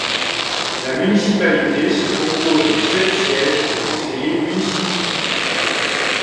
La municipalité se compose de sept sièges de conseillers municipaux.